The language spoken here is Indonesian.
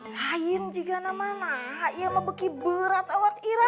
lain juga namana iya mebeki berat awak ira